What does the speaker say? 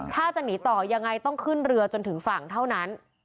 ถ้าจะหนีต่อยังไงต้องขึ้นเรือจนถึงฝั่งเท่านั้น